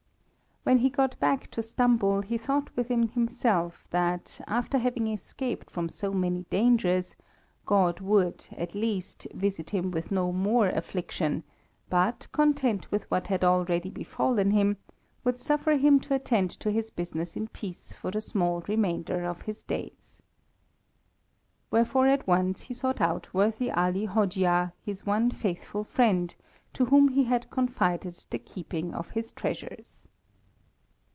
When he got back to Stambul he thought within himself that, after having escaped from so many dangers, God would, at least, visit him with no more affliction, but, content with what had already befallen him, would suffer him to attend to his business in peace for the small remainder of his days. Wherefore he at once sought out worthy Ali Hojia, his one faithful friend, to whom he had confided the keeping of his treasures.